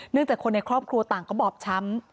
เนื่องจากคนในครอบครัวต่างกระบอบช้ำ